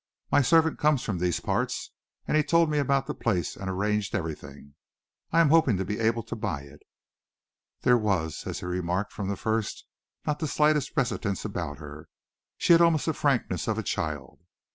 My servant comes from these parts, and he told me about the place and arranged everything. I am hoping to be able to buy it." There was, as he had remarked from the first, not the slightest reticence about her. She had almost the frankness of a child.